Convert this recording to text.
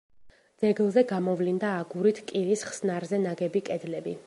ძეგლზე გამოვლინდა აგურით კირის ხსნარზე ნაგები კედლები.